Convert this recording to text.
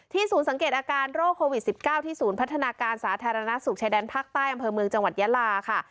ศูนย์สังเกตอาการโรคโควิด๑๙ที่ศูนย์พัฒนาการสาธารณสุขชายแดนภาคใต้อำเภอเมืองจังหวัดยาลาค่ะ